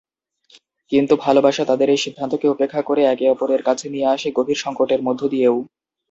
কিন্তু ভালোবাসা তাদের এই সিদ্ধান্তকে উপেক্ষা করে একে অপরের কাছে নিয়ে আসে গভীর সংকটের মধ্যে দিয়েও।